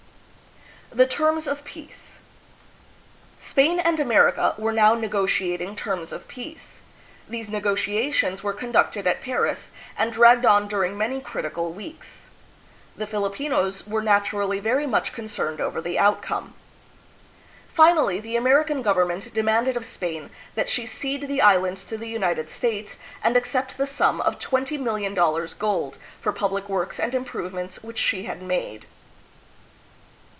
The Terms of Peace. Spain and America were now negotiating terms of peace. These negotiations were con ducted at Paris, and dragged on during many critical weeks. The Fili pinos were natu rally very much concerned over the outcome. Finally, the American govern ment demanded of Spain that she cede the Islands to the Un ited States and ac cept the sum of $20,000,000 gold, for public works and improvements which she had made.